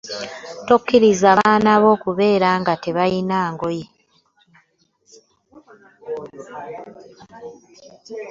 Tokiriza baana bo kubeera nga tebalina ngoye.